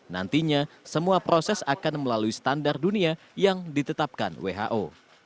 nantinya semua proses akan melalui standar dunia yang ditetapkan who